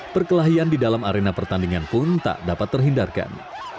perkelahian di dalam arena pertandingan pun tak dapat terhindarkan